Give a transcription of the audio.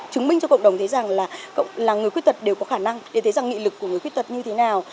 chứng minh cho cộng đồng thấy rằng là người khuyết tật đều có khả năng để thấy rằng nghị lực của người khuyết tật như thế nào